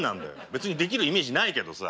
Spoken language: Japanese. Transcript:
別にできるイメージないけどさ。